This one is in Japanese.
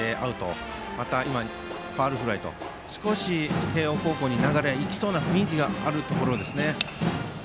そして、ファウルフライと慶応高校に流れが行きそうな雰囲気があるところですね。